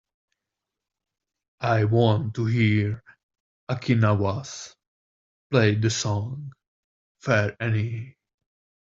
I want to hear Aki Nawaz, play the song fair annie.